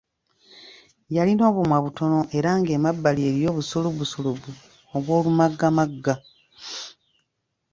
Yalina obumwa butonotono era ng’emabbali eriyo obusulubusulubu obw’olumaggamagga.